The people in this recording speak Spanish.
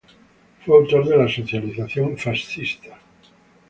Fue autor de la socialización fascista.